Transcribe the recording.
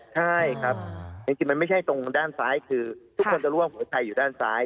ใช่ครับจริงมันไม่ใช่ตรงด้านซ้ายคือทุกคนจะรู้ว่าหัวใครอยู่ด้านซ้าย